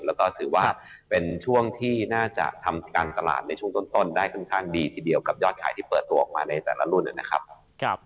แล้วก็ถือว่าเป็นช่วงที่น่าจะทำการตลาดในช่วงต้นได้ค่อนข้างดีทีเดียวกับยอดขายที่เปิดตัวออกมาในแต่ละรุ่นนะครับ